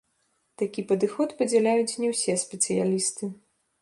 Такі падыход падзяляюць не ўсе спецыялісты.